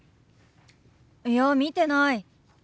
いや見てない。